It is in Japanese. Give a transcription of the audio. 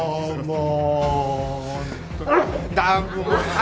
もう。